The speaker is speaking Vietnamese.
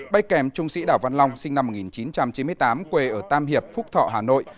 bay kèm trung sĩ đào văn long sinh năm một nghìn chín trăm chín mươi tám quê ở tam hiệp phúc thọ hà nội